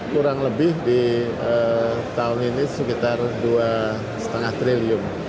kurang lebih di tahun ini sekitar dua lima triliun